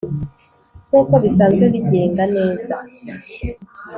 nkuko bisanzwe bigenga neza